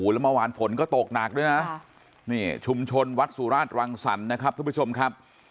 แล้วเมื่อวานฝนก็ตกหนักด้วยนะนี่ชุมชนวัดสุราชรังสรรค์นะครับทุกผู้ชมครับ